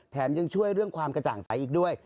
ยังช่วยเรื่องความกระจ่างใสอีกด้วย